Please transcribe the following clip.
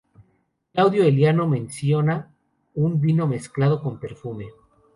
Claudio Eliano menciona un vino mezclado con perfume.